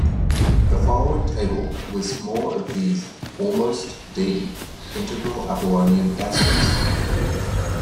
The following table lists more of these "almost"-"D" integral Apollonian gaskets.